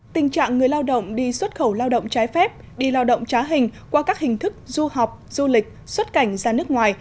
tình trạng người lao động đi xuất khẩu lao động trái phép đi lao động trá hình qua các hình thức du học du lịch xuất cảnh ra nước ngoài